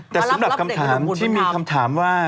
แต่สำหรับคำถามที่มีคำถามว่า